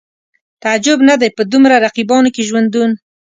تعجب نه دی په دومره رقیبانو کې ژوندون